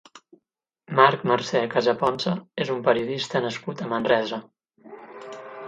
Marc Marcè Casaponsa és un periodista nascut a Manresa.